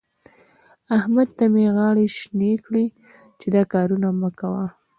احمد ته مې غاړې شينې کړې چې دا کارونه مه کوه.